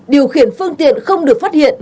điều khiển phương tiện không được phát hiện